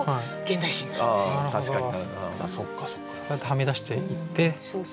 はみ出していって。